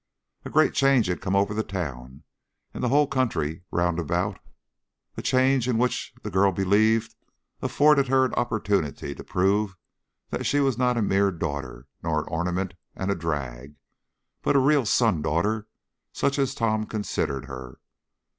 A great change had come over the town and the whole country round about, a change which the girl believed afforded her an opportunity to prove that she was not a mere daughter, not an ornament and a drag, but a real son daughter such as Tom considered her.